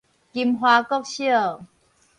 金華國小